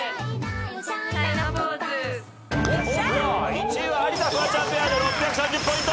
１位は有田フワちゃんペアで６３０ポイント。